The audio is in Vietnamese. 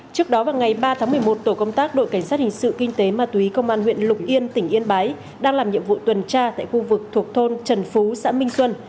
trước đó vào ngày ba tháng một mươi một tổ công tác đội cảnh sát hình sự kinh tế ma túy công an huyện lục yên tỉnh yên bái đang làm nhiệm vụ tuần tra tại khu vực thuộc thôn trần phú xã minh xuân